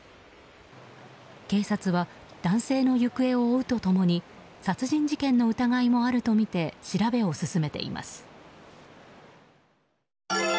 警察は男性の行方を追うと共に殺人事件の疑いもあるとみて調べを進めています。